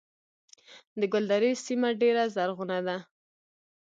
د ګلدرې سیمه ډیره زرغونه ده